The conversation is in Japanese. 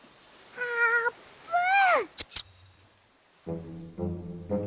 あーぷん！